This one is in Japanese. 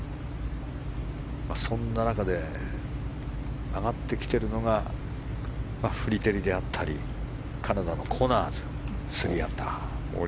そんな中で上がってきてるのがフリテリであったりカナダのコナーズ、３アンダー。